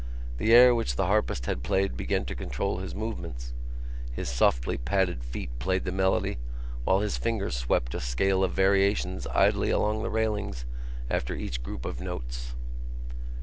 The air which the harpist had played began to control his movements. His softly padded feet played the melody while his fingers swept a scale of variations idly along the railings after each group of notes.